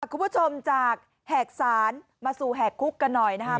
คุณผู้ชมจากแหกศาลมาสู่แหกคุกกันหน่อยนะครับ